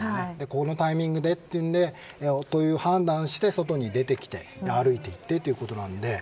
このタイミングでと判断して外に出てきて歩いていってということなので。